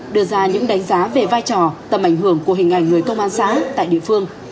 đưa ra những đánh giá về vai trò tầm ảnh hưởng của hình ảnh người công an xã tại địa phương